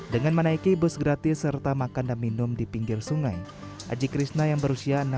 dengan menaiki bus gratis serta makan dan minum di pinggir sungai aji krishna yang berusia